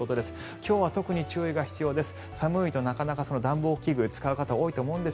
今日は特に注意が必要です。